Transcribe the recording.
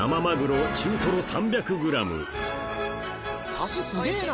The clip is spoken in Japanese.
サシすげぇな。